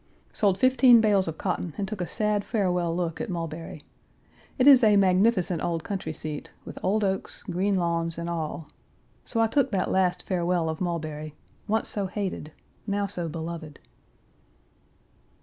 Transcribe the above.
Sold fifteen bales of cotton and took a sad farewell look at Mulberry. It is a magnificent old country seat, with old oaks, green lawns and all. So I took that last farewell of Mulberry, once so hated, now so beloved.